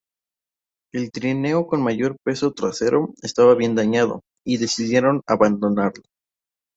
El trineo con mayor peso trasero, estaba bien dañado y decidieron abandonarlo.